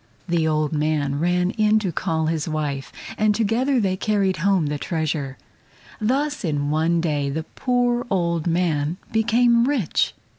The old man ran in to call his wife, and together they carried home the treasure. Thus in one day the poor old man became rich.